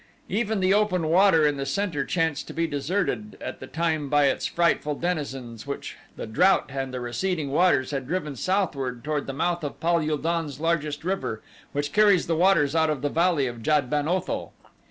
Even the open water in the center chanced to be deserted at the time by its frightful denizens which the drought and the receding waters had driven southward toward the mouth of Pal ul don's largest river which carries the waters out of the Valley of Jad ben Otho.